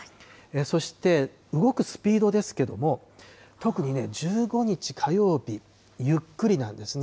そして動くスピードですけども、特にね、１５日火曜日、ゆっくりなんですね。